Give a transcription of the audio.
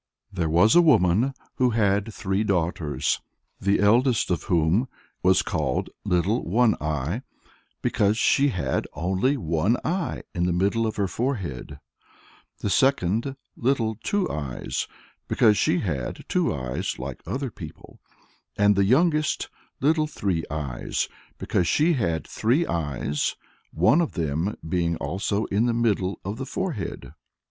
There was a woman who had three daughters, the eldest of whom was called Little One Eye, because she had only one eye in the middle of her forehead; the second, Little Two Eyes, because she had two eyes like other people; and the youngest, Little Three Eyes, because she had three eyes, one of them being also in the middle of the forehead.